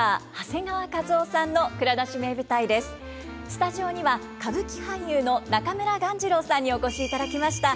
スタジオには歌舞伎俳優の中村鴈治郎さんにお越しいただきました。